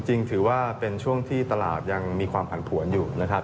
จริงถือว่าเป็นช่วงที่ตลาดยังมีความผันผวนอยู่นะครับ